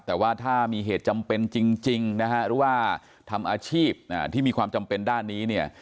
แต่ว่าถ้ามีเหตุจำเป็นจริงนะฮะหรือว่าทำอาชีพที่มีความจำเป็นด้านนี้เนี่ย